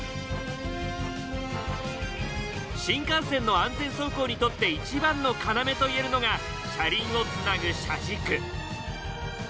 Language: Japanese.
新幹線の安全走行にとって一番の要といえるのが車輪をつなぐ車軸。